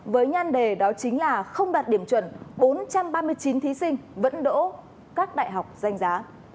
với nhan đề đó chính là không đạt điểm chuẩn bốn trăm ba mươi chín thí sinh vẫn đỗ các đại học danh giá